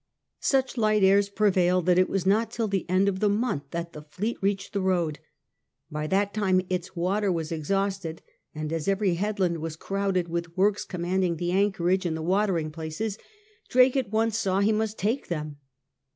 Such light airs prevailed that it was not till the end of the month that the fleet reached the road. By that time its water was exhausted, and as every headland was crowned with works commanding the anchorage and the watering places, Drake at once saw he must take them.